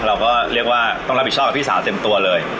เราก็เรียกว่าต้องรับผิดชอบกับพี่สาวเต็มตัวเลย